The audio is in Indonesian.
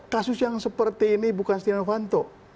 kasus yang seperti ini bukan stina novanto